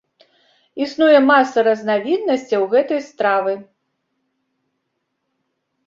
Існуе маса разнавіднасцяў гэтай стравы.